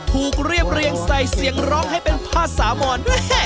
เรียบเรียงใส่เสียงร้องให้เป็นภาษามอน